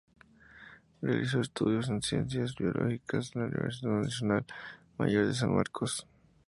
Realizó estudios en Ciencias Biológicas en la Universidad Nacional Mayor de San Marcos.